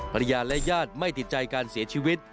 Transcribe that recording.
ภรรยาและญาติไม่ติดใจการเสียชีวิต